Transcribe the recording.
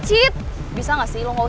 tidak ada yang mau diketahui